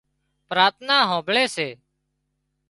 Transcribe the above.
پراٿنا هانمڀۯي سي